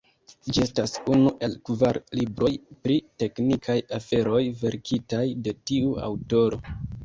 Ĝi estas unu el kvar libroj pri teknikaj aferoj verkitaj de tiu aŭtoro.